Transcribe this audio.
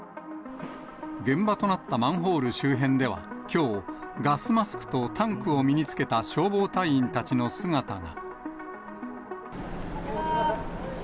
現場となったマンホール周辺ではきょう、ガスマスクとタンクを身につけた消防隊員たちの姿が。